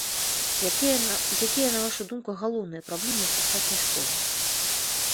Якія, на вашу думку, галоўныя праблемы ў сучаснай школе?